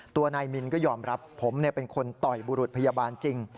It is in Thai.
ตัวนายมินก็ยอมรับผมเป็นคนต่อยบุรุษพยาบาลจริง